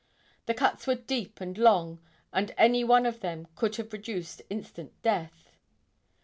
The cuts were deep and long and any one of them would have produced instant death.